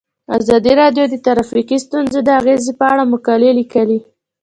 ازادي راډیو د ټرافیکي ستونزې د اغیزو په اړه مقالو لیکلي.